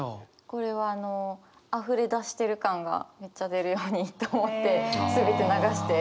これはあのあふれ出してる感がめっちゃ出るようにと思って全て流して。